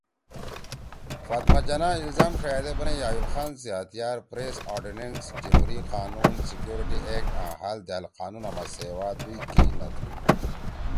فاطمہ جناح الزام ݜَیأدے بنئی ایوب خان سی ہتھیار پریس ارڈیننس، جبری قانون، سکیورٹی ایکٹ آں ہال دأل قانونا ما سیوا دُوئی کی نہ تُھو